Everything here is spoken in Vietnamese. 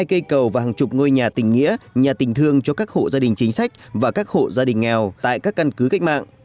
hai cây cầu và hàng chục ngôi nhà tình nghĩa nhà tình thương cho các hộ gia đình chính sách và các hộ gia đình nghèo tại các căn cứ cách mạng